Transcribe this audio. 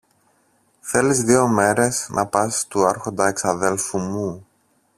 Θέλεις δυο μέρες να πας στου Άρχοντα εξαδέλφου μου;